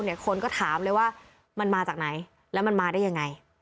คนก็ถามเลยว่ามันมาจากไหนแล้วมันมาได้ยังไง